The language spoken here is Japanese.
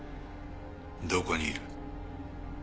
どこにいる？